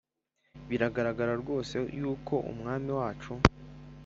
biragaragara rwose yuko Umwami wacu